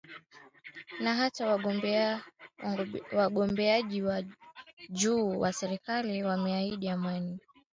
Na hata wagombea wa juu wa urais wameahidi amani